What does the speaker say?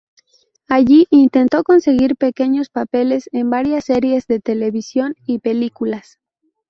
Allí, intentó conseguir pequeños papeles en varias series de televisión y películas.